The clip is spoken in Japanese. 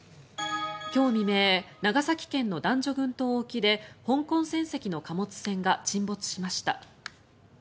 今日未明、長崎県の男女群島沖で香港船籍の貨物船が沈没しました。